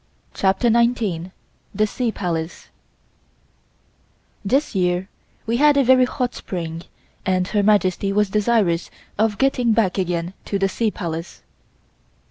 CHAPTER NINETEEN THE SEA PALACE THIS year we had a very hot spring and Her Majesty was desirous of getting back again to the Sea Palace.